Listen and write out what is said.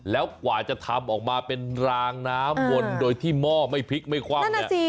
แล้วกว่าจะทำออกมาเป็นรางน้ำวนโดยที่หม้อไม่พลิกไม่คว่ำเนี่ย